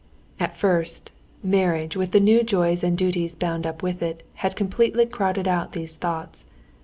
At first, marriage, with the new joys and duties bound up with it, had completely crowded out these thoughts.